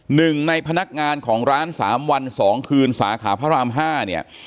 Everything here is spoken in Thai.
หนึ่งในพนักงานของร้าน๓วัน๒คืนสาขาพระราม๕เนี่ย